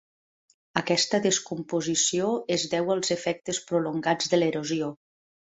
Aquesta descomposició es deu als efectes prolongats de l'erosió.